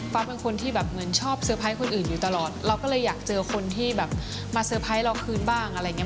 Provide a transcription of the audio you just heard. เป็นคนที่แบบเหมือนชอบเซอร์ไพรส์คนอื่นอยู่ตลอดเราก็เลยอยากเจอคนที่แบบมาเซอร์ไพรส์เราคืนบ้างอะไรอย่างเงี้